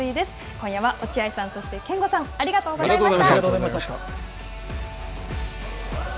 今夜は落合さん、そして憲剛さんありがとうございました。